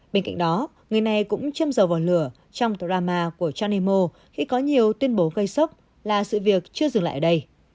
bên cạnh đó người này cũng châm dầu lửa trong drama của chaneimo khi có nhiều tuyên bố gây sốc là sự việc chưa dừng lại ở đây